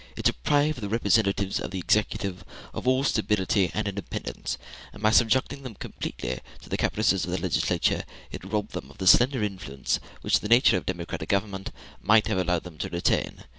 It deprived the representatives of the executive of all stability and independence, and by subjecting them completely to the caprices of the legislature, it robbed them of the slender influence which the nature of a democratic government might have allowed them to retain.